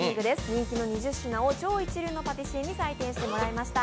人気の２０品を超一流のパティシエに採点してもらいました。